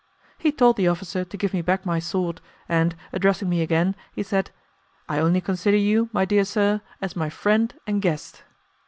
He told the officer to give me back my sword, and, addressing me again, he said, "I only consider you, my dear sir, as my friend and guest."